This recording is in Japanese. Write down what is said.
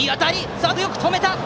サード、よく止めた！